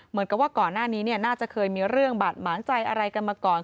เหมือนกับว่าก่อนหน้านี้น่าจะเคยมีเรื่องบาดหมางใจอะไรกันมาก่อน